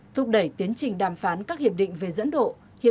thúc đẩy tiến trình đàm phán các hiệp định về dẫn độ